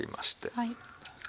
はい。